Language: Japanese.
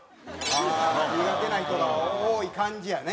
ああ苦手な人が多い感じやね。